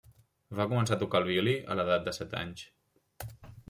Va començar a tocar el violí a l'edat de set anys.